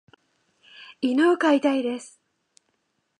犬を飼いたいです。